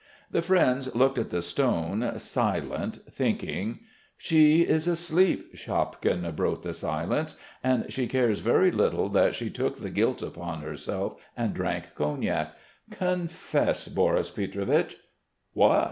The friends looked at the stone, silent, thinking. "She is asleep!" Shapkin broke the silence. "And she cares very little that she took the guilt upon herself and drank cognac. Confess, Boris Pietrovich!" "What?"